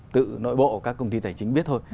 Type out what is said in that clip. tự nội bộ các công ty tài chính biết thôi